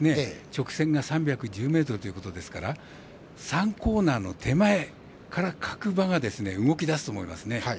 直線が３１０ｍということですから３コーナーの手前から各馬が動きだすと思いますね。